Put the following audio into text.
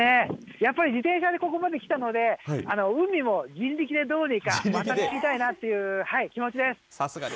やっぱり自転車でここまで来たので、海も人力でどうにか渡りたいなっていう気持ちです。